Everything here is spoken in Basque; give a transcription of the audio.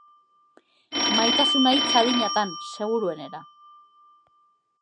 Maitasuna hitza adinatan, seguruenera.